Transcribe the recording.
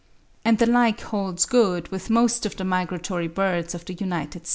And the like holds good with most of the migratory birds of the United States.